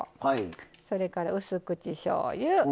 それからうす口しょうゆ。